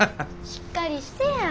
しっかりしてや。